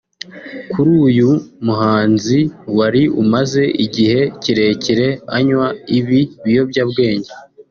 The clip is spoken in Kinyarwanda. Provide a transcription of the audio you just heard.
Kuri uyu muhanzi wari umaze igihe kirekire anywa ibi biyobyabwenge